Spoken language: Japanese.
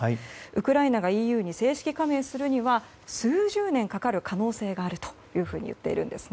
ウクライナがＥＵに正式加盟するには数十年かかる可能性があるというふうに言っているんです。